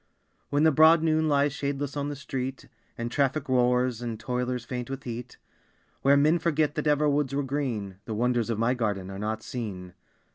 When the broad noon lies shadeless on the street, And traffic roars, and toilers faint with heat, Where men forget that ever woods were green, The wonders of my garden are not seen.